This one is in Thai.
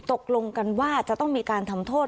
ตกลงกันว่าจะต้องมีการทำโทษ